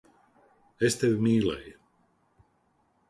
Es tevi mīlēju.